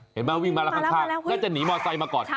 เห็นไหมวิ่งมาแล้วข้างน่าจะหนีมอเตอร์ไซค์มาก่อน